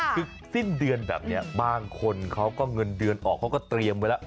คือสิ้นเดือนแบบนี้บางคนเขาก็เงินเดือนออกเขาก็เตรียมไว้แล้ว